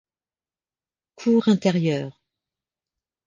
Cour intérieure.